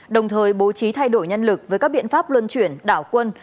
đồng thời bố trí thay đổi nhân lực với các biện pháp luân chuyển đảo quân